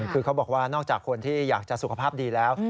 คือเขาบอกว่านอกจากคนที่อยากจะสุขภาพดีแล้ว